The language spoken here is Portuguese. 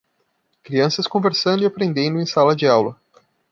Crianças conversando e aprendendo em sala de aula.